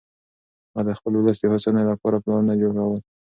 هغه د خپل ولس د هوساینې لپاره پلانونه جوړول.